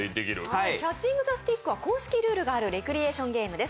キャッチング・ザ・スティックは公式ルールがあるリクリエーションゲームです。